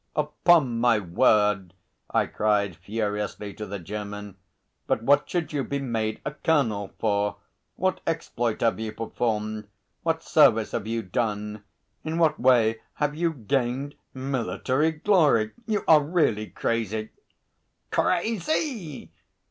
"Upon my word!" I cried furiously to the German. "But what should you be made a colonel for? What exploit have you performed? What service have you done? In what way have you gained military glory? You are really crazy!" "Crazy!"